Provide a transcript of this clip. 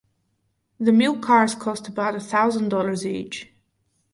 The milk cars cost about a thousand dollars each.